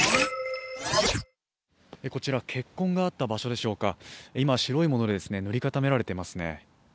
こちら血痕があった場所でしょうか、今、白いもので塗り固められていますね。